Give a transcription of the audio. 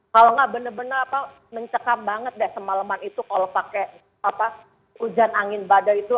kalau nggak benar benar mencekam banget deh semaleman itu kalau pakai hujan angin badai itu